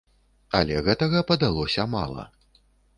Але гэтага падалося мала.